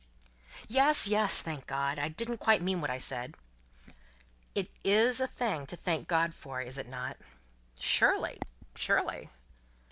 "Yes, yes, thank God. I didn't quite mean what I said." "It is a thing to thank God for; is it not?" "Surely, surely."